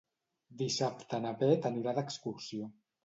Dissabte na Bet anirà d'excursió.